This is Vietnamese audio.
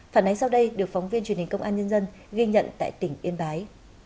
phản ánh sau đây được phóng viên truyền hình công an nhân dân ghi nhận tại tỉnh yên bái